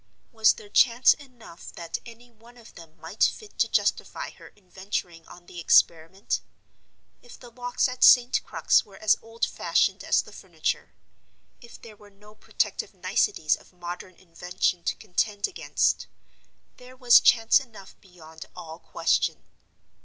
Was there chance enough that any one of them might fit to justify her in venturing on the experiment? If the locks at St. Crux were as old fashioned as the furniture—if there were no protective niceties of modern invention to contend against—there was chance enough beyond all question.